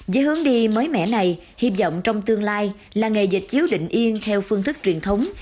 với hướng đi mới mẻ này hy vọng trong tương lai là nghề dịch chiếu định yên theo phương thức truyền thống